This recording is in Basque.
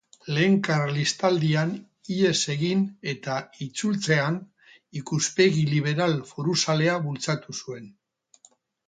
Lehen Karlistaldian ihes egin eta itzultzean ikuspegi liberal-foruzalea bultzatu zuen.